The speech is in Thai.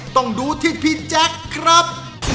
ต้องดูที่พี่แจ๊คครับ